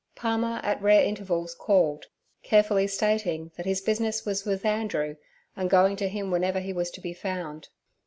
Palmer at rare intervals called, carefully stating that his business was with Andrew, and going to him wherever he was to be found.